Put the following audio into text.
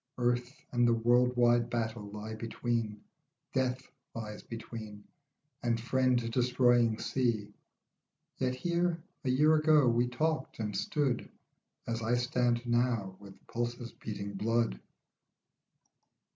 Earth and the world wide battle lie between, Death lies between, and friend destroying sea. Yet here, a year ago, we talked and stood As I stand now, with pulses beating blood.